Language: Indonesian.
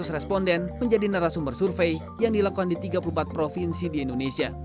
dua ratus responden menjadi narasumber survei yang dilakukan di tiga puluh empat provinsi di indonesia